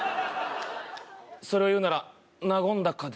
それを言うなら「和んだか？」